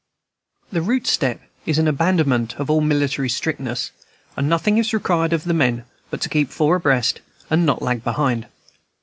The "route step" is an abandonment of all military strictness, and nothing is required of the men but to keep four abreast, and not lag behind.